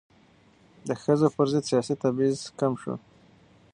د ښځو پر ضد سیاسي تبعیض کم شو.